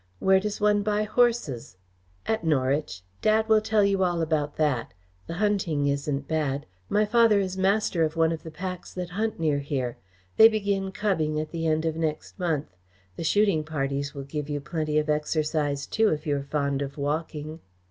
"Where does one buy horses?" "At Norwich. Dad will tell you all about that. The hunting isn't bad. My father is master of one of the packs that hunt near here. They begin cubbing at the end of next month. The shooting parties will give you plenty of exercise too, if you are fond of walking."